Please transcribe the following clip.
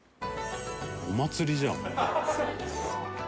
「お祭りじゃん」